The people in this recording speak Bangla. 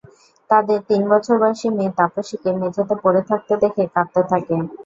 তাঁদের তিন বছর বয়সী মেয়ে তাপসীকে মেঝেতে পড়ে থাকতে দেখে কাঁদতে থাকে।